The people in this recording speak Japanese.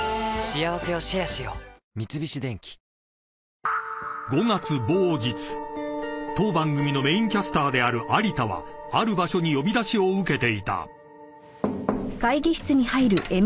三菱電機［当番組のメインキャスターである有田はある場所に呼び出しを受けていた］